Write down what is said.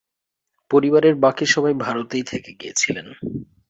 পরিবারের বাকি সবাই ভারতেই থেকে গিয়েছিলেন।